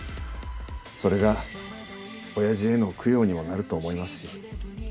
それが親父への供養にもなると思いますし。